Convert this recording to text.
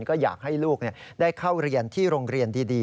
ก็อยากให้ลูกได้เข้าเรียนที่โรงเรียนดี